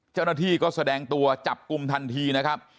เจ้าหน้าที่ก็แสดงตัวจับกลุ่มทันทีนะครับ